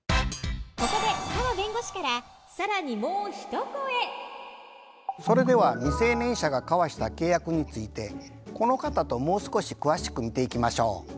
ここでそれでは未成年者が交わした契約についてこの方ともう少し詳しく見ていきましょう。